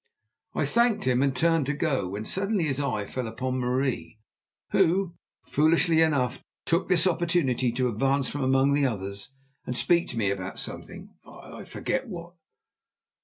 I thanked him and turned to go, when suddenly his eye fell upon Marie, who, foolishly enough, took this opportunity to advance from among the others and speak to me about something—I forget what.